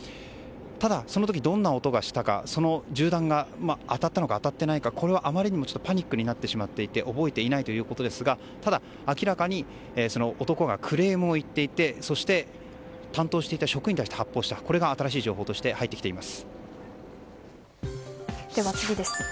ただ、その時どんな音がしたかその銃弾が当たったのか当たってないかはパニックになってしまっていて覚えていないということですがただ明らかにその男がクレームを言っていてそして担当していた職員に対して発砲したということが新しい情報として次です。